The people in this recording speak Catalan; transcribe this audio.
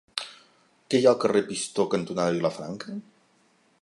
Què hi ha al carrer Pistó cantonada Vilafranca?